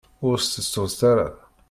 Ur sṭeẓṭuẓet ara.